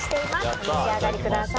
お召し上がりください。